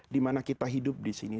di mana kita hidup di sini